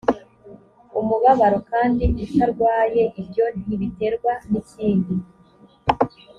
umubabaro kandi utarwaye ibyo ntibiterwa n ikindi